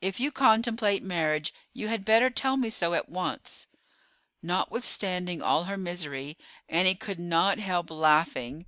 "If you contemplate marriage you had better tell me so at once." Notwithstanding all her misery, Annie could not help laughing.